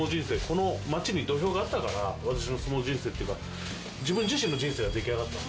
この町に土俵があったから私の相撲人生っていうか自分自身の人生が出来上がった。